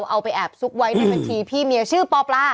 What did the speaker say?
เอาไปแอบซุกไว้ในบัญชีพี่เมียชื่อปอปลา